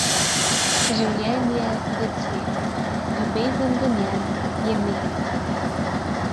Življenje je cvet, ljubezen v njem je med.